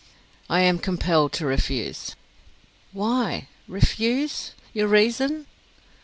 "I am compelled to refuse." "Why? Refuse? Your reason!"